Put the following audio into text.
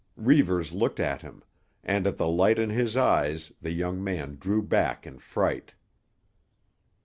Reivers looked at him, and at the light in his eyes the young man drew back in fright.